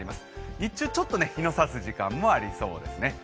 日中ちょっと日の差す時間もありそうですね。